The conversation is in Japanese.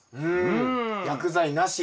うん薬剤なし。